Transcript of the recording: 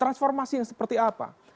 transformasi yang seperti apa